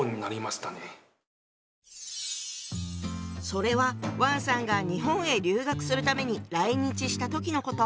それは王さんが日本へ留学するために来日した時のこと。